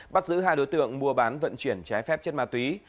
bắt giữ hai đối tượng mua bán vận chuyển trái phép chất ma túy